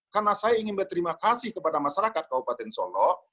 karena saya ingin berterima kasih kepada masyarakat kabupaten solok